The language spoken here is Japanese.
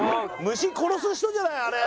虫殺す人じゃないあれ。